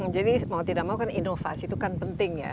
jadi mau tidak mau kan inovasi itu kan penting ya